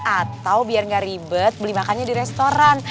atau biar nggak ribet beli makannya di restoran